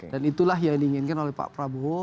dan itulah yang diinginkan oleh pak prabowo